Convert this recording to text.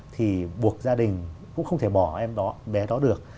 thì buộc gia đình cũng không thể bỏ em đó bé đó được